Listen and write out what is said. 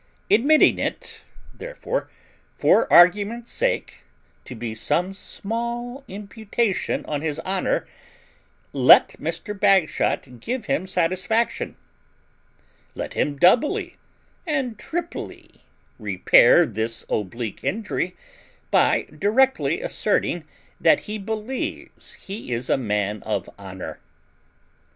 Admitting it, therefore, for argument's sake, to be some small imputation on his honour, let Mr. Bagshot give him satisfaction; let him doubly and triply repair this oblique injury by directly asserting that he believes he is a man of honour."